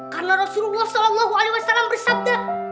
karena rasulullah saw bersabda